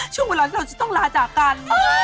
ช่วงเวลาที่เราจะต้องลาจากกัน